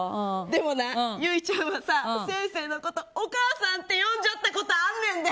でもな、ユイちゃんはさ先生のことお母さんって呼んじゃったことあんねんで。